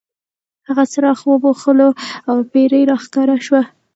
هغه څراغ وموښلو او پیری را ښکاره شو.